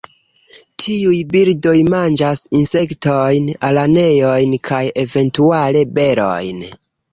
Tiuj birdoj manĝas insektojn, araneojn kaj eventuale berojn.